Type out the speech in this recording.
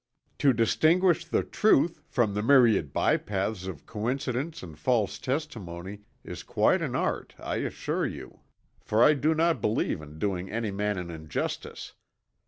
To distinguish the truth from the myriad bypaths of coincidence and false testimony is quite an art, I assure you, for I do not believe in doing any man an injustice.